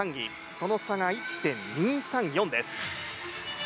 その差が１．２３４です。